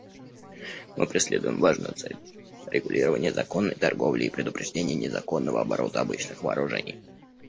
Мы преследуем важную цель — регулирование законной торговли и предупреждение незаконного оборота обычных вооружений.